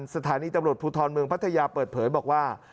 สถานีตำรวจภูทรเมืองพัทยาเปิดเผยบอกว่า